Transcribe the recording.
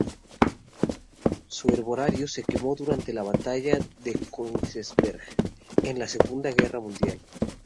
Su Herbario se quemó durante la batalla de Königsberg, en la Segunda Guerra Mundial.